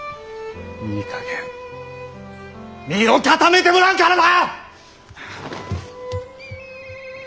いいかげん身を固めてもらうからな！